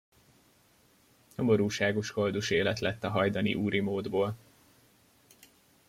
Nyomorúságos koldusélet lett a hajdani úri módból.